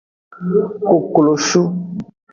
Koklosu.